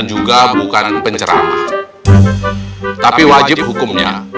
juga bukan penceramah tapi wajib hukumnya